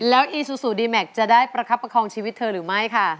แล้วอีซูซูดีแม็กซ์จะได้ประคับประคองชีวิตเธอหรือไม่ค่ะ